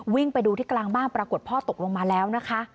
ไปดูที่กลางบ้านปรากฏพ่อตกลงมาแล้วนะคะ